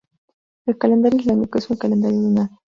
El Calendario islámico es un calendario lunar.